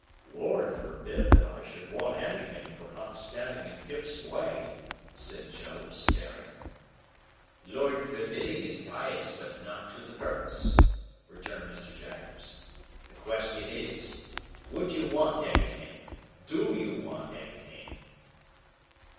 "Lord forbid that I should want anything for not standing in Pip's way," said Joe, staring. "Lord forbidding is pious, but not to the purpose," returned Mr. Jaggers. "The question is, Would you want anything? Do you want anything?"